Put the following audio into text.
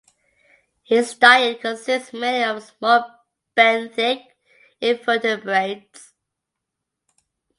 Its diet consists mainly of small benthic invertebrates.